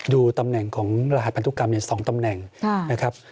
ดูตำแหน่งของรหัสพันธุกรรม๒ตำแหน่งนะครับ